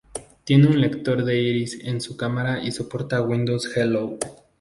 Tiene un lector de iris en su cámara y soporta Windows Hello.